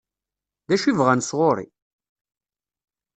D acu i bɣan sɣur-i?